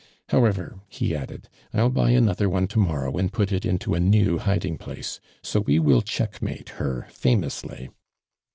"Itowever," he added, ''I'll buy another one tomorrow, and put it into a new hiding place, so we will checkmate her famously."